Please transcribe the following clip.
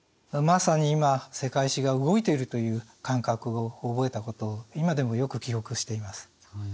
まさに今世界史が動いてるという感覚を覚えたことを今でもよく記憶しています。